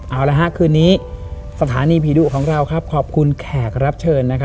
เอาละฮะคืนนี้สถานีผีดุของเราครับขอบคุณแขกรับเชิญ